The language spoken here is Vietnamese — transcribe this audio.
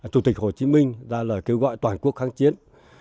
chủ tịch hồ chí minh ra lời kêu gọi toàn quốc kháng chiến